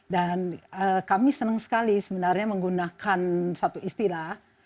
dan kami senang sekali sebenarnya menggunakan satu istilah